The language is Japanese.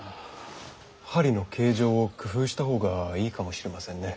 針の形状を工夫したほうがいいかもしれませんね。